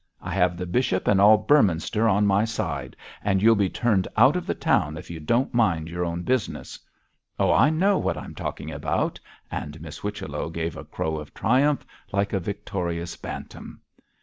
I have the bishop and all Beorminster on my side, and you'll be turned out of the town if you don't mind your own business. Oh, I know what I'm talking about,' and Miss Whichello gave a crow of triumph, like a victorious bantam.